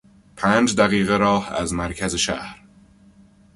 پنج دقیقه راه از مرکز شهر